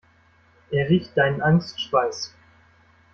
Er riecht deinen Angstschweiß.